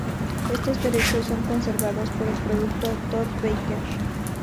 Estos derechos son conservados por el productor Todd Baker.